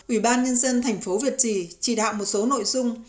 ủy ban nhân dân thành phố việt trì chỉ đạo một số nội dung